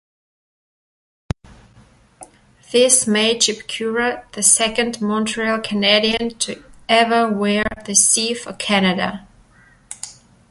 This made Chipchura the second Montreal Canadian to ever wear the 'C' for Canada.